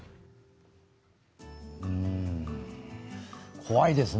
怖いですね。